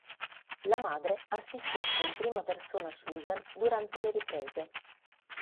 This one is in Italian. La madre assistette in prima persona Susan durante le riprese.